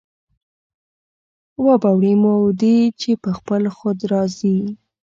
وابه وړي مودې چې په خپل خود را ځي